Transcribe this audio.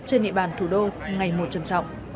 trên địa bàn thủ đô ngày một trầm trọng